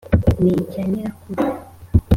ni icya nyirakuru